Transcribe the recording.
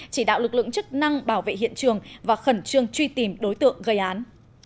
chỉ đạo lực lượng chức năng bảo vệ hiện trường và khẩn trương truy tìm đối tượng gây án